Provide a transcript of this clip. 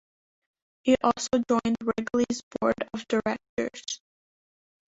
He also joined Wrigley's board of directors.